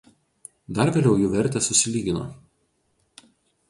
Dar vėliau jų vertės susilygino.